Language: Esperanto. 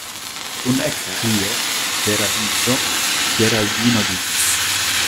Kun ekkrio de raviĝo Geraldino diris: